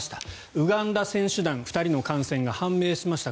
ウガンダ選手団２人の感染が判明しました。